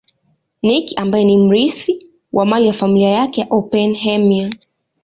Nicky ambaye ni mrithi wa mali ya familia yake ya Oppenheimer